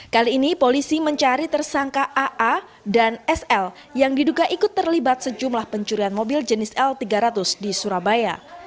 kali ini polisi mencari tersangka aa dan sl yang diduga ikut terlibat sejumlah pencurian mobil jenis l tiga ratus di surabaya